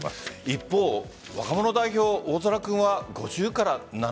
一方、若者代表大空君は５０から７０。